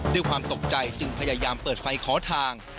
ด้วยความตกใจจึงพยายามเปิดไฟขอทาง